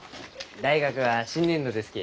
大学は新年度ですき。